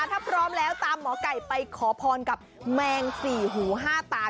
ถ้าพร้อมแล้วตามหมอไก่ไปขอพรกับแมงสี่หูห้าตา